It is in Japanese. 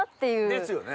ですよね？